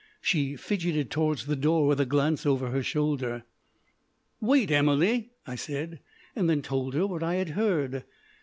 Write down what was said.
She fidgeted towards the door with a glance over her shoulder. "Wait, Emily," I said, and then told her what I had heard.